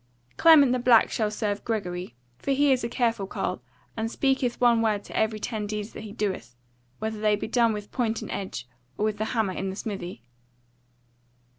"Clement the Black shall serve Gregory: for he is a careful carle, and speaketh one word to every ten deeds that he doeth; whether they be done with point and edge, or with the hammer in the smithy.